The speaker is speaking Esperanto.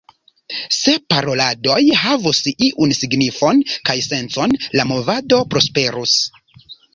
Se paroladoj havus iun signifon kaj sencon, la movado prosperus.